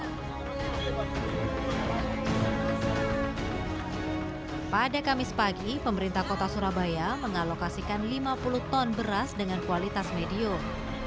hai pada kamis pagi pemerintah kota surabaya mengalokasikan lima puluh ton beras dengan kualitas medium